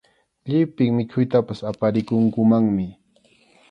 Llipin mikhuytapas aparikunkumanmi.